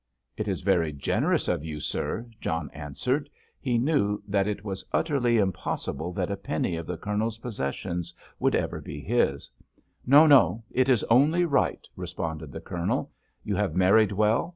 "It is very generous of you, sir," John answered. He knew that it was utterly impossible that a penny of the Colonel's possessions should ever be his. "No, no, it is only right," responded the Colonel. "You have married well.